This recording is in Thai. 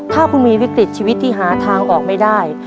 ถ้าคุณมีวิกฤตชีวิตที่หาทางออกไม่ได้